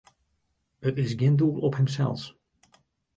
It is gjin doel op himsels.